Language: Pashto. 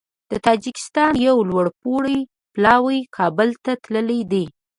د تاجکستان یو لوړپوړی پلاوی کابل ته تللی دی